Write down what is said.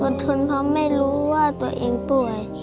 ทนเพราะไม่รู้ว่าตัวเองป่วย